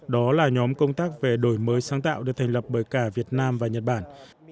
đó là nhóm công tác về đổi mới sáng tạo được thành lập bởi cả việt nam và nhật bản